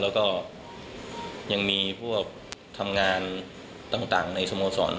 แล้วก็ยังมีพวกทำงานต่างในสโมสร